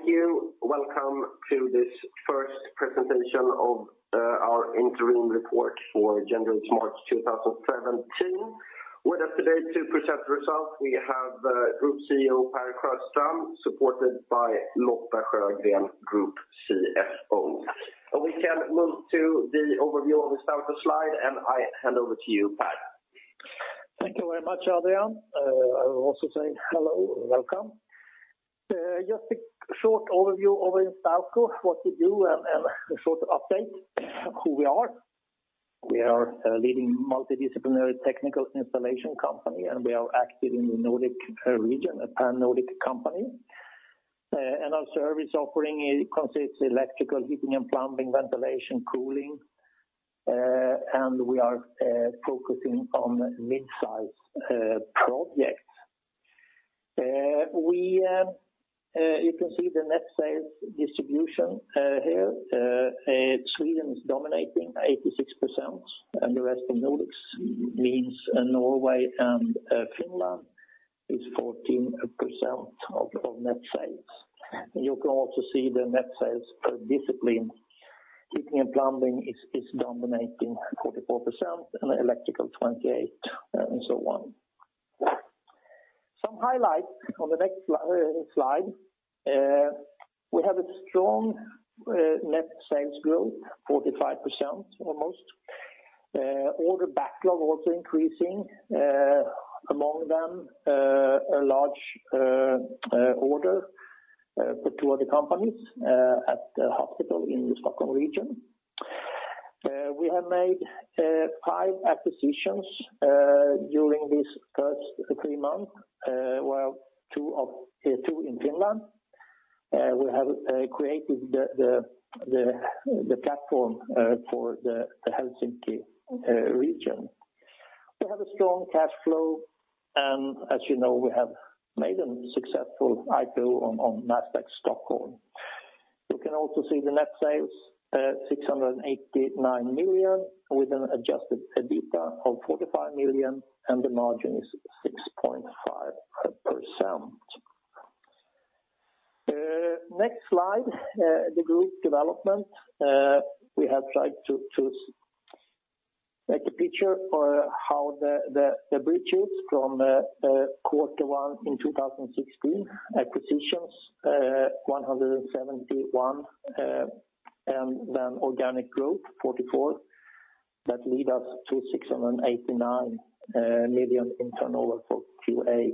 Thank you. Welcome to this first presentation of our interim report for January to March 2017. With us today to present the results, we have Group CEO, Per Sjöstrand, supported by Lotta Sjögren, Group CFO. We can move to the overview of the start of slide, and I hand over to you, Per. Thank you very much, Adrian. I'm also saying hello and welcome. Just a short overview of Instalco, what we do, and a short update of who we are. We are a leading multidisciplinary technical installation company, we are active in the Nordic region, a pan-Nordic company. Our service offering consists electrical, heating, and plumbing, ventilation, cooling, and we are focusing on mid-size projects. We, you can see the net sales distribution here. Sweden is dominating 86%, and the rest of Nordics means Norway and Finland is 14% of net sales. You can also see the net sales per discipline. Heating and plumbing is dominating 44%, and electrical 28, and so on. Some highlights on the next slide. We have a strong net sales growth, 45% almost. Order backlog also increasing, among them, a large order for two other companies at the hospital in the Stockholm region. We have made five acquisitions during this first three months, well, two in Finland. We have created the platform for the Helsinki region. We have a strong cash flow, and as you know, we have made a successful IPO on Nasdaq Stockholm. You can also see the net sales, 689 million, with an adjusted EBITDA of 45 million, and the margin is 6.5%. Next slide, the group development. We have tried to make a picture for how the bridges from Q1 in 2016, acquisition 171, and then organic growth, 44, that lead us to 689 million in turnover for Q1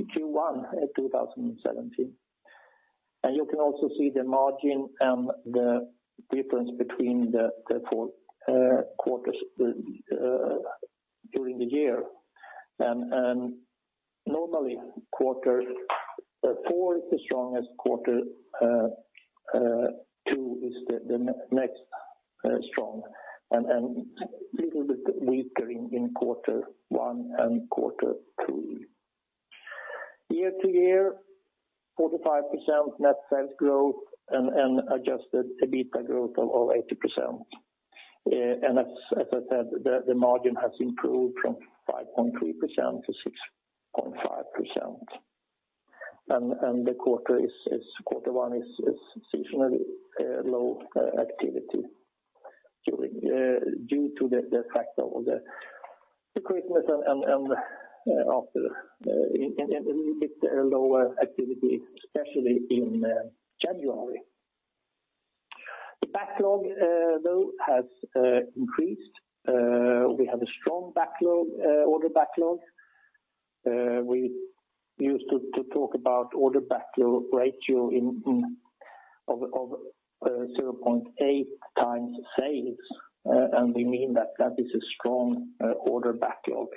in 2017. You can also see the margin and the difference between the four quarters during the year. Normally, quarter four is the strongest quarter two is the next strong, and little bit weaker in quarter one and quarter two. Year-to-year, 45% net sales growth and adjusted EBITDA growth of over 80%. As I said, the margin has improved from 5.3% to 6.5%. The quarter is, quarter one is seasonally low activity during due to the fact of the Christmas and after and a little bit lower activity, especially in January. The backlog, though, has increased. We have a strong backlog, order backlog. We used to talk about order backlog ratio in of 0.8 times sales, and we mean that is a strong order backlog,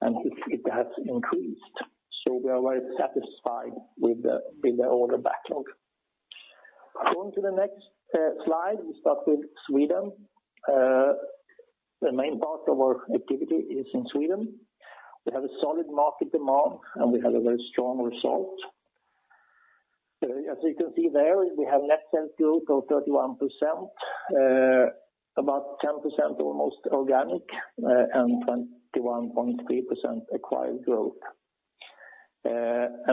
and it has increased. We are very satisfied with the order backlog. Going to the next slide, we start with Sweden. The main part of our activity is in Sweden. We have a solid market demand, and we have a very strong result. As you can see there, we have net sales growth of 31%, about 10%, almost organic, and 21.3% acquired growth.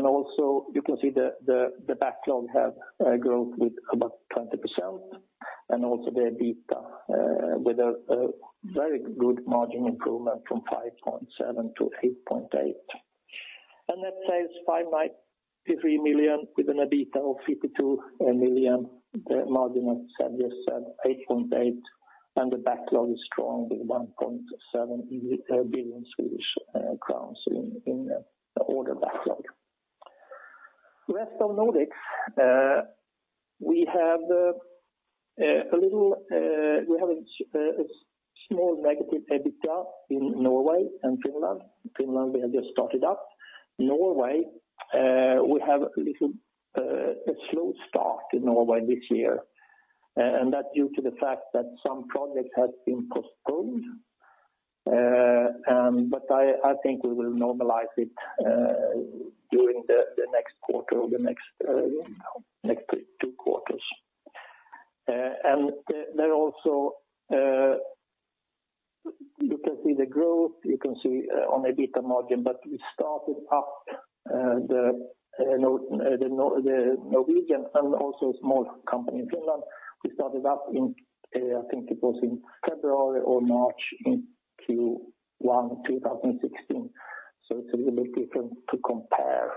Also, you can see the backlog have grown with about 20%, and also the EBITDA, with a very good margin improvement from 5.7-8.8. Net sales 593 million, with an EBITDA of 52 million. The margin, as I just said, 8.8, and the backlog is strong, with 1.7 billion Swedish crowns in the order backlog. Rest of Nordics, we have a little, we have a small negative EBITDA in Norway and Finland. Finland, we have just started up. Norway, we have a little, a slow start in Norway this year, that's due to the fact that some projects have been postponed. I think we will normalize it during the next quarter or the next two quarters. There are also, you can see the growth, you can see on an EBITA margin, we started up the Norwegian and also a small company in Finland. We started up in, I think it was in February or March in Q1, 2016. It's a little bit different to compare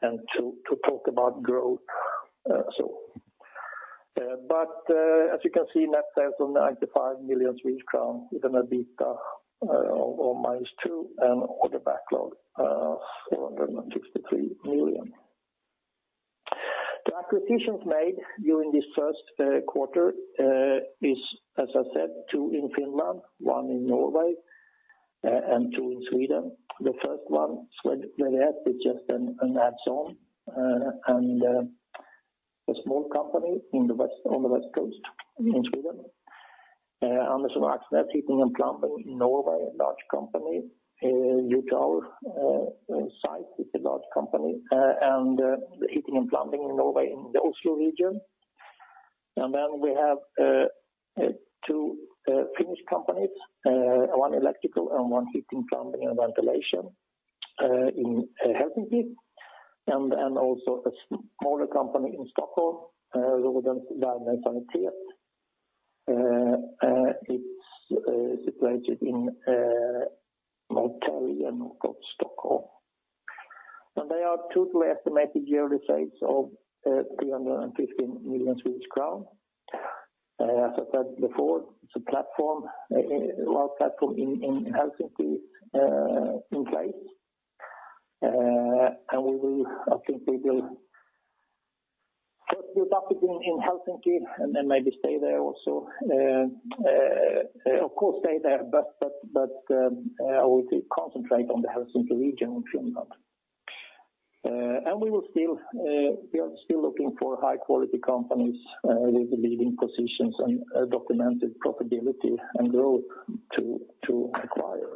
and to talk about growth. As you can see, net sales on 95 million, even an EBITA of -two, and order backlog 463 million. The acquisitions made during this first quarter is, as I said, two in Finland, one in Norway, and two in Sweden. The first one, where we have is just an add-on, and a small company on the West Coast in Sweden. Andersen og Aksnes, Heating and Plumbing, Norway, a large company, U-tele is a large company, and the heating and plumbing in Norway in the Oslo region. Then we have two Finnish companies, one electrical and one heating, plumbing, and ventilation, in Helsinki, and also a smaller company in Stockholm, Rörgruppen. It's situated in Norrtälje, north of Stockholm. They are totally estimated yearly sales of 315 million Swedish crowns. As I said before, it's a platform in Helsinki in place. We will, I think we will first look up in Helsinki, and then maybe stay there also. Of course, stay there, but, we concentrate on the Helsinki region in Finland. We will still, we are still looking for high-quality companies with leading positions and documented profitability and growth to acquire.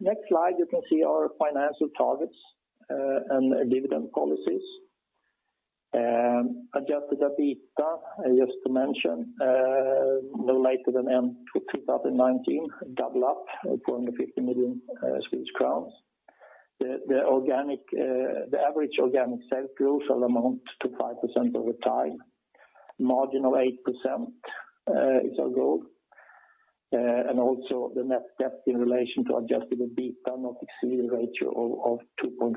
Next slide, you can see our financial targets and dividend policies. Adjusted EBITDA, just to mention, no later than end 2019, double up 450 million Swedish crowns. The average organic sales growth will amount to 5% over time. Margin of 8% is our goal. The net debt in relation to adjusted EBITDA, not exceeding a ratio of 2.5.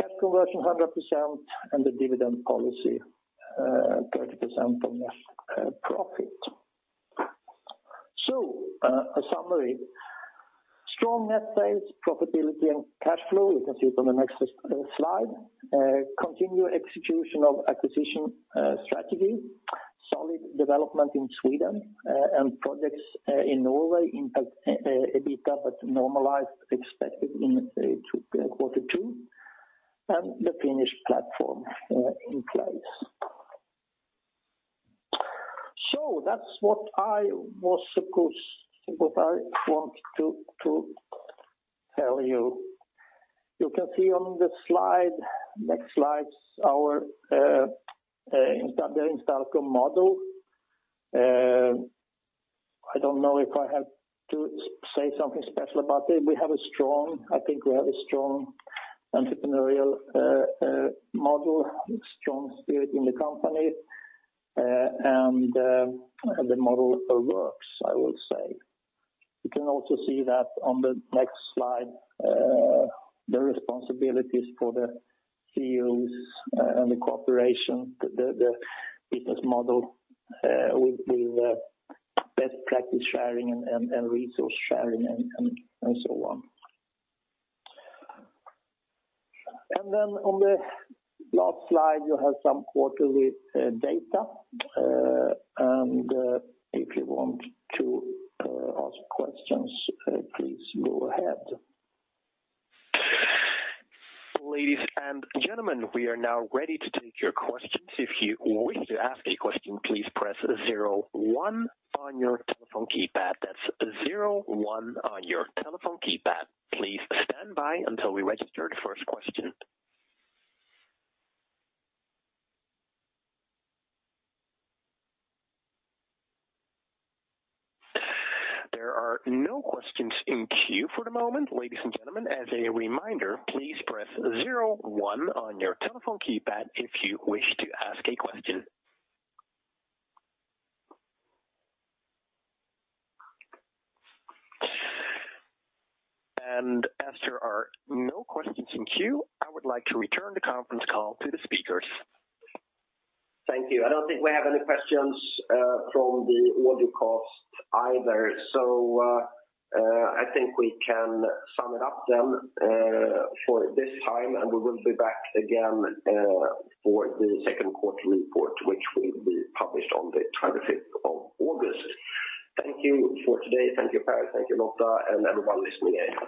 Cash conversion, 100%. The dividend policy, 30% on net profit. A summary. Strong net sales, profitability, and cash flow, you can see it on the next slide. Continued execution of acquisition strategy, solid development in Sweden, projects in Norway, impact EBITDA, normalized, expected in quarter two, the Finnish platform in place. That's what I want to tell you. You can see on the slide, next slides, our the Instalco model. I don't know if I have to say something special about it. I think we have a strong entrepreneurial model, a strong spirit in the company, and the model works, I will say. You can also see that on the next slide, the responsibilities for the CEOs, and the cooperation, the business model, with best practice sharing and resource sharing and so on. On the last slide, you have some quarterly data. If you want to ask questions, please go ahead. Ladies and gentlemen, we are now ready to take your questions. If you wish to ask a question, please press zero one on your telephone keypad. That's zero one on your telephone keypad. Please stand by until we register the first question. There are no questions in queue for the moment. Ladies and gentlemen, as a reminder, please press zero one on your telephone keypad if you wish to ask a question. As there are no questions in queue, I would like to return the conference call to the speakers. Thank you. I don't think we have any questions, from the audio cast either. I think we can sum it up then, for this time, and we will be back again, for the second quarter report, which will be published on the 25th of August. Thank you for today. Thank you, Per, thank you, Lotta, and everyone listening in.